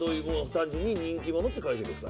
単純に人気者って解釈ですか？